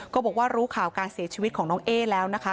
ก็บอกว่ารู้ข่าวการเสียชีวิตของน้องเอ๊แล้วนะคะ